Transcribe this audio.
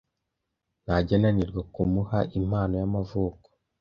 Ntajya ananirwa kumuha impano y'amavuko.